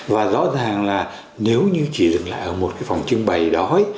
và rõ ràng là nếu như chỉ dừng lại ở một cái phòng trưng bày đó